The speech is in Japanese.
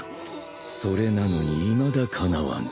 それなのにいまだかなわぬ。